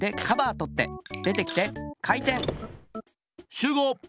しゅうごう！